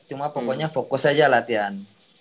cuma pokoknya fokus aja latihan